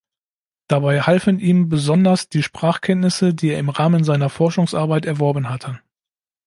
Dabei halfen ihm besonders die Sprachkenntnisse, die er im Rahmen seiner Forschungsarbeit erworben hatte.